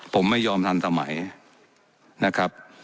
ผมไม่ยอมทันสมัยนะครับ